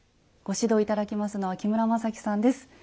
ご指導頂きますのは木村雅基さんです。